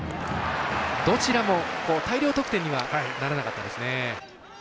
どちらも大量得点にはならなかったんですね。